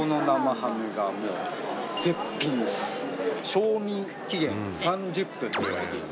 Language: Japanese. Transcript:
賞味期限３０分っていわれていて。